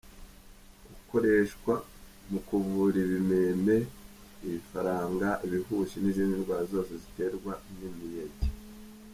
Ukoreshwa mu kuvura ibimeme, ibifaranga, ibihushi n’izindi ndwara zose ziterwa n’imiyege.